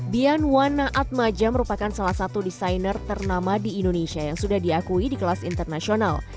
bian wana atmaja merupakan salah satu desainer ternama di indonesia yang sudah diakui di kelas internasional